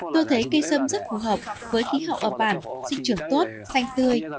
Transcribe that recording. tôi thấy cây sâm rất phù hợp với khí hậu ở bản sinh trưởng tốt xanh tươi